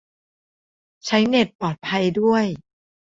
ใช้เน็ตปลอดภัย ด้วย